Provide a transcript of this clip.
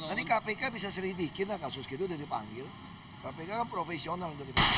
ini kpk bisa serih dikira kasus gitu dan dipanggil kpk kan profesional